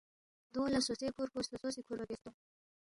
دونگ لہ سوسوے کُھور پو سوسو سی کُھوربا بیاسے تونگ